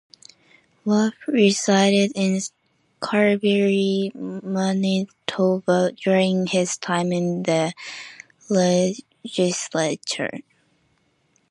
Waugh resided in Carberry, Manitoba during his time in the legislature.